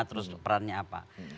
terus perannya apa